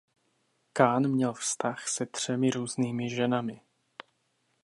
Kahn měl vztah se třemi různými ženami.